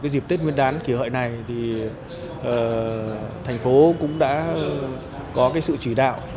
dịp tết nguyên đán kỷ hợi này thành phố cũng đã có sự chỉ đạo